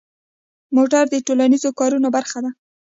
موټر د ټولنیزو کارونو برخه ده.